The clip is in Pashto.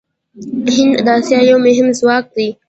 هند د اسیا یو مهم ځواک دی.